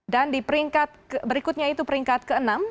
dan di peringkat berikutnya itu peringkat ke enam